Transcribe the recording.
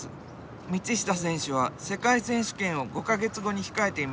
道下選手は世界選手権を５か月後に控えていました。